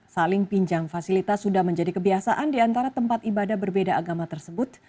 saling pinjang fasilitas sudah menjadi kebiasaan di antara tempat ibadah berbeda agama tersebut